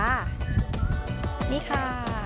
นี่ค่ะ